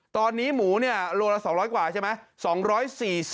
ตอนนี้หมูเนี่ยโลละ๒๐๐กว่าใช่ไหม